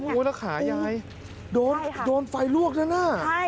แล้วขายายโดนไฟลวกนั้นน่ะ